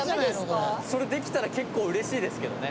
それできたら結構うれしいですけどね。